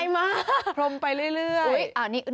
แม่ไลน์มา